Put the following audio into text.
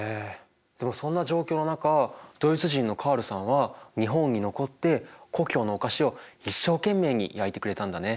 でもそんな状況の中ドイツ人のカールさんは日本に残って故郷のお菓子を一生懸命に焼いてくれたんだね。